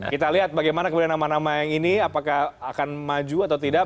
kita lihat bagaimana kemudian nama nama yang ini apakah akan maju atau tidak